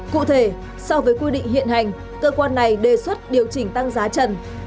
cụ thể so với quy định hiện hành cơ quan này đề xuất điều chỉnh tăng giá trần